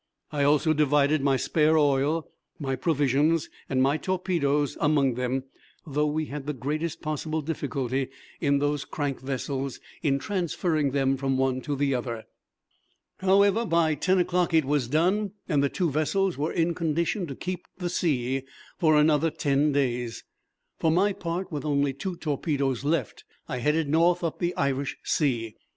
I also divided my spare oil, my provisions, and my torpedoes among them, though we had the greatest possible difficulty in those crank vessels in transferring them from one to the other. However, by ten o'clock it was done, and the two vessels were in condition to keep the sea for another ten days. For my part, with only two torpedoes left, I headed north up the Irish Sea.